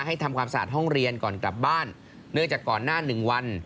ทำความสะอาดห้องเรียนก่อนกลับบ้านเนื่องจากก่อนหน้าหนึ่งวัน